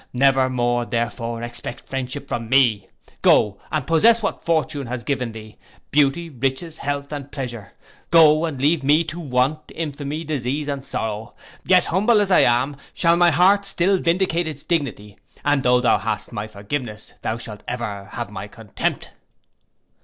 Never more, therefore, expect friendship from me. Go, and possess what fortune has given thee, beauty, riches, health, and pleasure. Go, and leave me to want, infamy, disease, and sorrow. Yet humbled as I am, shall my heart still vindicate its dignity, and though thou hast my forgiveness, thou shalt ever have my contempt.